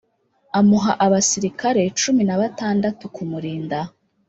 amuha abasirikare cumi na batandatu kumurinda